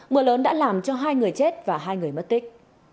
mưa lớn đã làm cho hai người chết và hai người mất tích